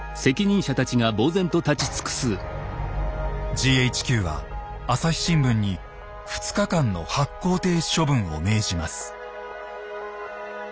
ＧＨＱは「朝日新聞」に２日間の発行停止処分を命じます。